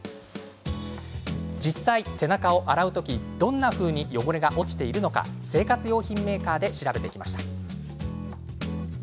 実際、背中を洗う時どんなふうに汚れが落ちているのか生活用品メーカーで調べてきました。